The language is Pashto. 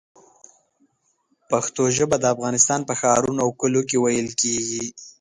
پښتو ژبه د افغانستان په ښارونو او کلیو کې ویل کېږي.